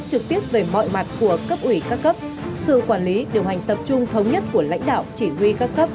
trực tiếp về mọi mặt của cấp ủy các cấp sự quản lý điều hành tập trung thống nhất của lãnh đạo chỉ huy các cấp